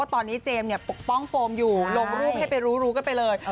ตอนนี้เจมส์ปกป้องโฟมอยู่ลงรูปให้ไปรู้กันไปเลย